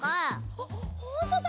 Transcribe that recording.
あっほんとだ！